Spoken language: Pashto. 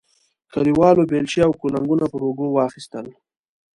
کلیوالو بیلچې او کنګونه پر اوږو واخیستل.